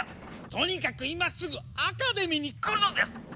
とにかく今すぐアカデミーに来るのです！